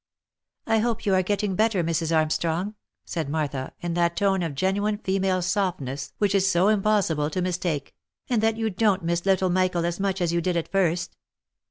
" I hope you are getting better, Mrs. Armstrong?" said Martha, in that tone of genuine female softness which it is so impossible to mis take, " and that you don't miss little Michael as much as you did at first."